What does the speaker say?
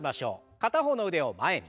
片方の腕を前に。